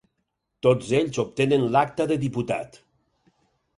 Tots ells obtenen l'acta de diputat.